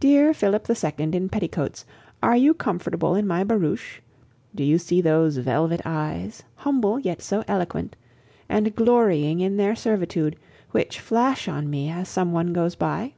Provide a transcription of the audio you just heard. Dear Philip the Second in petticoats, are you comfortable in my barouche? Do you see those velvet eyes, humble, yet so eloquent, and glorying in their servitude, which flash on me as some one goes by?